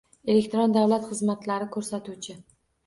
Elektron davlat xizmatlari ko‘rsatuvchi